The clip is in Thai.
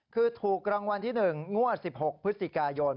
คือถูกรางวัลที่หนึ่งงั่ว๑๖พฤศจิกายน